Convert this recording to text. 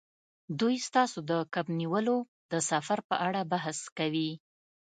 دوی ستاسو د کب نیولو د سفر په اړه بحث کوي